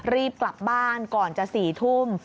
รีบกลับบ้านก่อนจะ๔ทุ่ม